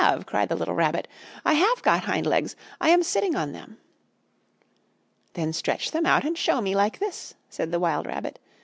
cried the little Rabbit. "I have got hind legs! I am sitting on them!" "Then stretch them out and show me, like this!" said the wild rabbit.